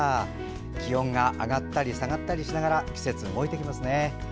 気温が上がったり下がったりしながら季節は動いていきますね。